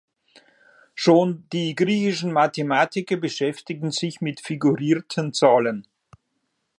Schon die griechischen Mathematiker beschäftigten sich mit figurierten Zahlen.